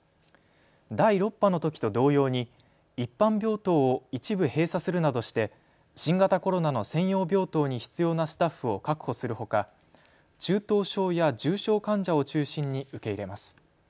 第６波のときと同様に一般病棟を一部閉鎖するなどして新型コロナの専用病棟に必要なスタッフを確保するほか中等症や重症患者を中心に受け入れます。